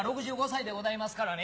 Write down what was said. ６５歳でございますからね。